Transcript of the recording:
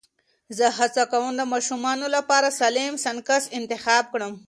زه هڅه کوم د ماشومانو لپاره سالم سنکس انتخاب کړم.